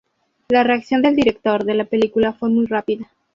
La reacción del director de la película fue muy rápida.